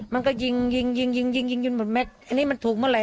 มันก็ยิงยิงยิงยิงหมดแม็กซอันนี้มันถูกเมื่อไห